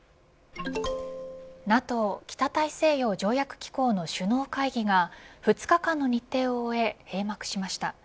ＮＡＴＯ北大西洋条約機構の首脳会議が２日間の日程を終え閉幕しました。